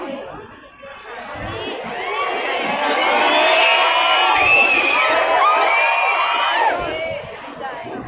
เวลาแรกพี่เห็นแวว